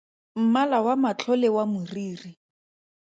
Mmala wa matlho le wa moriri.